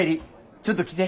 ちょっと来て。